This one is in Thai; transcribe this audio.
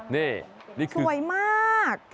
นี่สวยมาก